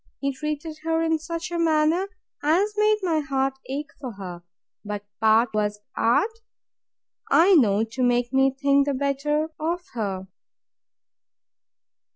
he treated her in such a manner as made my heart ache for her: But part was art, I know, to make me think the better of her.